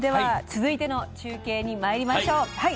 続いての中継にまいりましょう。